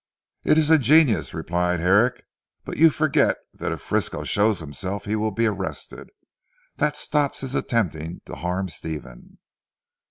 "It is ingenious," replied Herrick, "but you forget that if Frisco shows himself, he will be arrested. That stops his attempting to harm Stephen."